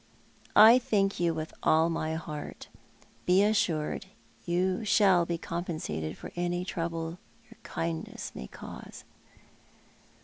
''" I thank you with all ray heart. Be assured you shall bo compensated for any trouble your kindness may cause."